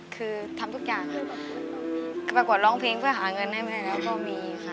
คือทำทุกอย่างค่ะประกวดร้องเพลงเพื่อหาเงินให้แม่แล้วก็มีค่ะ